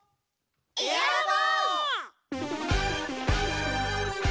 エアロボ！